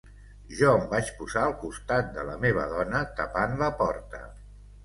Jo em vaig posar al costat de la meva dona tapant la porta.